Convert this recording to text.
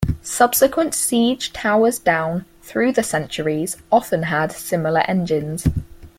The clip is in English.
Subsequent siege towers down through the centuries often had similar engines.